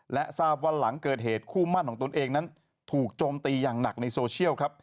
และทราบว่าหลังเกิดเหตุคู่มั่นของตนเองนั้นถูกโจมตีอย่างหนักในโซเชียลครับ